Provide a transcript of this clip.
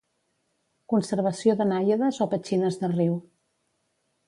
Conservació de Nàiades o petxines de riu.